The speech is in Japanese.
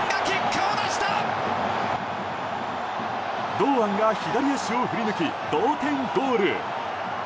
堂安が左足を振り抜き同点ゴール。